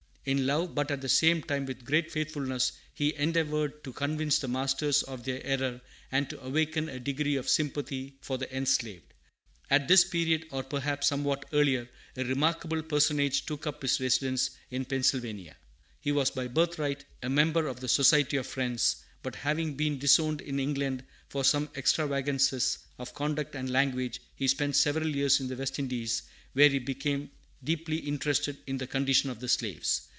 "] In love, but at the same time with great faithfulness, he endeavored to convince the masters of their error, and to awaken a degree of sympathy for the enslaved. At this period, or perhaps somewhat earlier, a remarkable personage took up his residence in Pennsylvania. He was by birthright a member of the Society of Friends, but having been disowned in England for some extravagances of conduct and language, he spent several years in the West Indies, where he became deeply interested in the condition of the slaves.